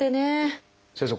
先生。